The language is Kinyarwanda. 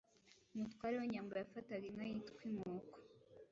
Umutware w'inyambo yafataga inka yitwa inkuku